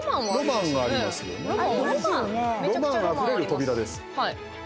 ロマンあふれる扉です。